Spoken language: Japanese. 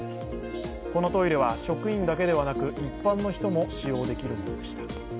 このトイレは、職員だけではなく一般の人も使用できるものでした。